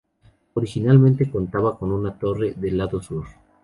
Originalmente contaba con una torre, del lado sur.